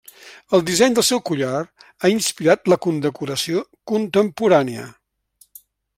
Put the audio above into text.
El disseny del seu collar ha inspirat la condecoració contemporània.